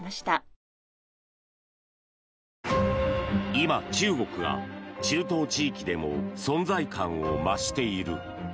今、中国が中東地域でも存在感を増している。